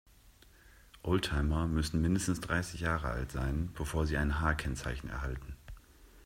Oldtimer müssen mindestens dreißig Jahre alt sein, bevor sie ein H-Kennzeichen erhalten.